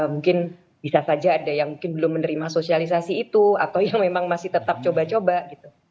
mungkin bisa saja ada yang mungkin belum menerima sosialisasi itu atau yang memang masih tetap coba coba gitu